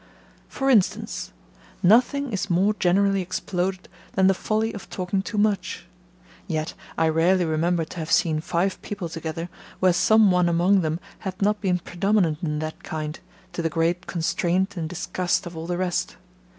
For instance: Nothing is more generally exploded than the folly of talking too much; yet I rarely remember to have seen five people together, where some one among them hath not been predominant in that kind, to the great constraint and disgust of all the rest.